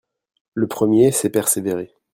Le premier, c’est, Persévérer.